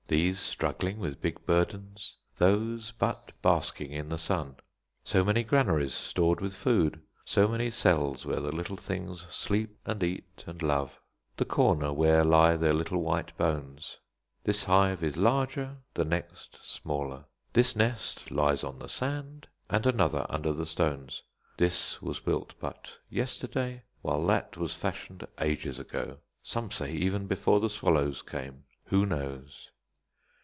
These struggling with big burdens; those but basking in the sun. So many granaries stored with food; so many cells where the little things sleep, and eat, and love; the corner where lie their little white bones. This hive is larger, the next smaller. This nest lies on the sand, and another under the stones. This was built but yesterday, while that was fashioned ages ago, some say even before the swallows came; who knows?